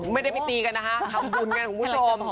ไม่ได้ไปตีกันนะคะทำบุญกันคุณผู้ชม